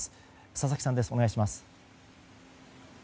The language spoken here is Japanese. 佐々木さん、お願いします。